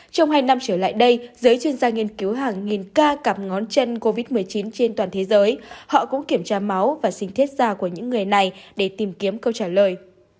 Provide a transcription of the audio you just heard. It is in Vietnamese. trong hai năm trở lại đây giới chuyên gia nghiên cứu hàng nghìn ca cặp ngón chân covid một mươi chín trên toàn thế giới họ cũng kiểm tra máu và sinh thiết da của những người này để tìm kiếm câu trả lời